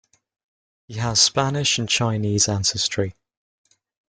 He has Spanish and Chinese ancestry.